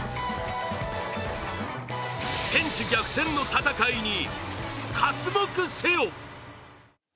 天地逆転の戦いにかつもくせよ。